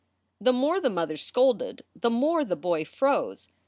The more the mother scolded the more the boy froze.